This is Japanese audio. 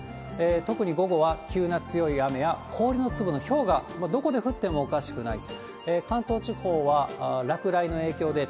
特に午後は急な強い雨や、氷の粒のひょうがどこで降ってもおかしくないと。